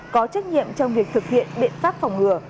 có trách nhiệm trong việc thực hiện biện pháp phòng ngừa